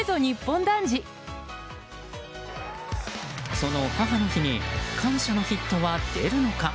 その母の日に感謝のヒットは出るのか。